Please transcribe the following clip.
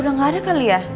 udah nggak ada kali ya